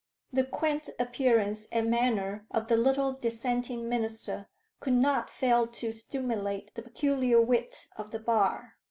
The quaint appearance and manner of the little Dissenting minister could not fail to stimulate the peculiar wit of the bar.